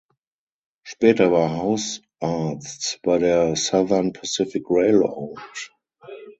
Später war House Arzt bei der Southern Pacific Railroad.